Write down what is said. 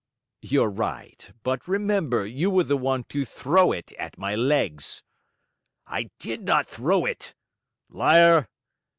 "You're right; but remember you were the one to throw it at my legs." "I did not throw it!" "Liar!"